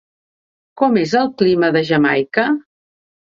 Com és el clima de Jamaica?